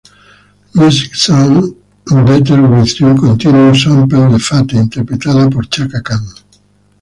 Music Sounds Better With You contiene un sample de "Fate" interpretada por Chaka Khan.